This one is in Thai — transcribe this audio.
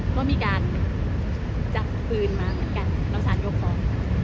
ก็มีการจับปืนมาเหมือนกันแล้วสารยกฟ้อง